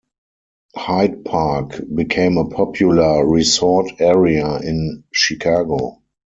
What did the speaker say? Hyde Park became a popular resort area in Chicago.